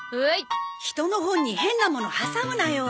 人の本に変なもの挟むなよ。